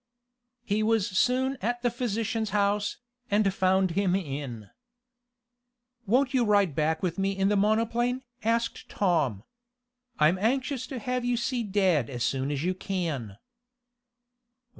He was soon at the physician's house, and found him in. "Won't you ride back with me in the monoplane?" asked Tom. "I'm anxious to have you see dad as soon as you can.